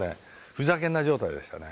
ふざけんな状態でしたね。